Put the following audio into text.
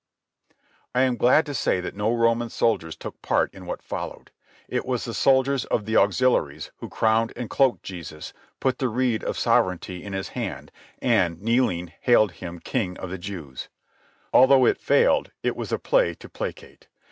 I am glad to say that no Roman soldiers took part in what followed. It was the soldiers of the auxiliaries who crowned and cloaked Jesus, put the reed of sovereignty in his hand, and, kneeling, hailed him King of the Jews. Although it failed, it was a play to placate.